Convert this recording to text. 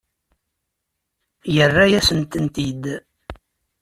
Yerra-yasen-tent-id?